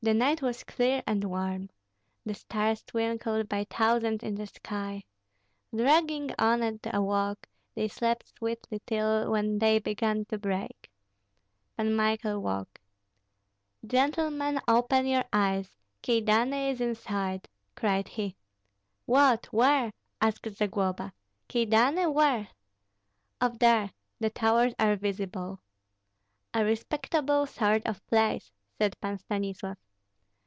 The night was clear and warm; the stars twinkled by thousands in the sky. Dragging on at a walk, they slept sweetly till, when day began to break. Pan Michael woke. "Gentlemen, open your eyes; Kyedani is in sight!" cried he. "What, where?" asked Zagloba. "Kyedani, where?" "Off there! The towers are visible." "A respectable sort of place," said Pan Stanislav.